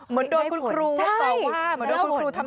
หมดโดนคุณครูตอบป